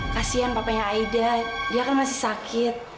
kasian papanya aida dia kan masih sakit